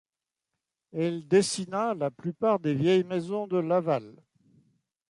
Elle dessina la plupart des vieilles maisons de Laval.